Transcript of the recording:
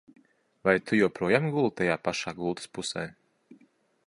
Vai tu joprojām guli tajā pašā gultas pusē?